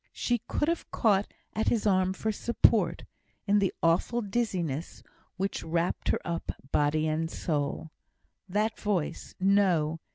She could have caught at his arm for support, in the awful dizziness which wrapped her up, body and soul. That voice! No!